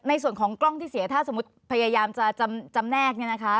ในส่วนของกล้องที่เสียถ้าสมมุติพยายามจะจำแนกเนี่ยนะคะ